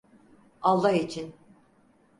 Allah için.